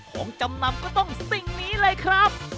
ของจำนำก็ต้องสิ่งนี้เลยครับ